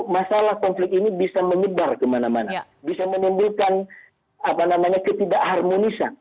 masalah konflik ini bisa menyebar kemana mana bisa menimbulkan ketidak harmonisan